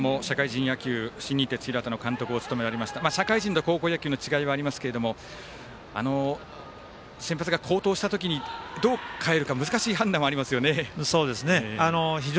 足達さんも社会人野球、新日鉄広畑の監督をされましたが社会人と高校野球の違いはありますけど先発が好投した時にどう代えるか難しい判断はありますよね。